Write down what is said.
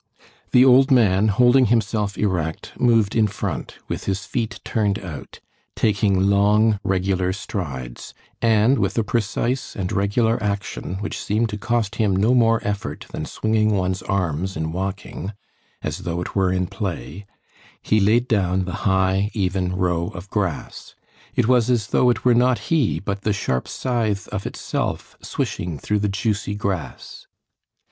The old man, holding himself erect, moved in front, with his feet turned out, taking long, regular strides, and with a precise and regular action which seemed to cost him no more effort than swinging one's arms in walking, as though it were in play, he laid down the high, even row of grass. It was as though it were not he but the sharp scythe of itself swishing through the juicy grass.